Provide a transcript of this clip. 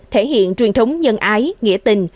thể hiện truyền thống nhân ái nghĩa tình